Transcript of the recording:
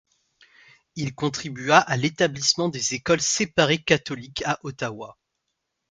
Il contribua à l’établissement des écoles séparées catholiques à Ottawa.